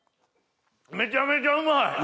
めちゃめちゃうまい！